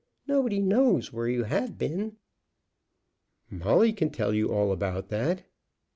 Nobody knows where you have been." "Molly can tell you all about that."